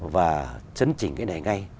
và chấn chỉnh cái này ngay